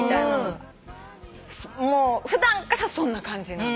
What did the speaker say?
普段からそんな感じなの。